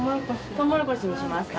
トウモロコシにしますか？